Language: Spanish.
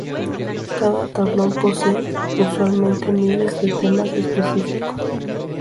Cada tablón posee usualmente miles de temas específicos.